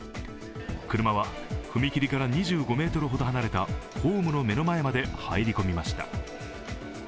車は踏切から２５ｍほど離れたホームの目の前まで入り込みました。